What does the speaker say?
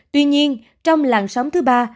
tuy nhiên trong làn sóng thứ ba